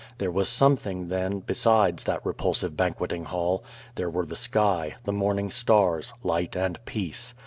There was something, then, besides that repulsive banqueting hall. There were the sky, the morning stars, light and peace.